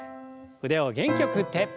腕を元気よく振って。